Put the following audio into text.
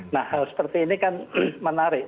nah hal seperti ini kan menarik